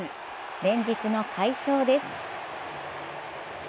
連日の快勝です。